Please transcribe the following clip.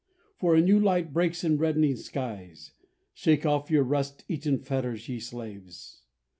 For a new light breaks in reddening skies: Shake off your rust eaten fetters, ye slaves!